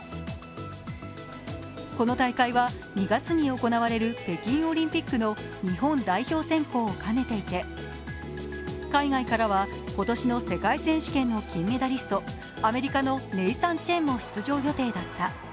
この大会は２月に行われる北京オリンピックの日本代表選考を兼ねていて海外からは今年の世界選手権の金メダリスト、アメリカのネイサン・チェンも出場予定だった。